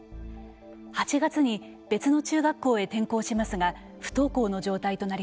８月に別の中学校へ転校しますが不登校の状態となりました。